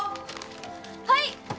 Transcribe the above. はい！